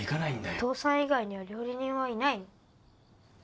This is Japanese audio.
お父さん以外には料理人はいないの？